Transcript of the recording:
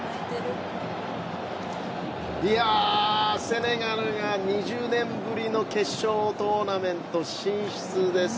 セネガルが２０年ぶりの決勝トーナメント進出です。